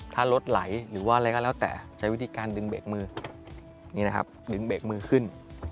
ถ้ารถไหลหรือว่าอะไรก็แล้วแต่ใช้วิธีการดึงเบรกมือนี่นะครับดึงเบรกมือขึ้น